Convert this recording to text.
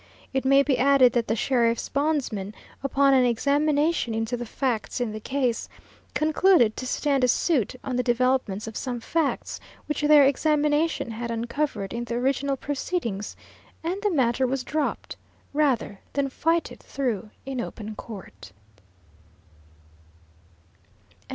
It may be added that the sheriff's bondsmen, upon an examination into the facts in the case, concluded to stand a suit on the developments of some facts which their examination had uncovered in the original proceedings, and the matter was dropped, rather than fight it through in open court.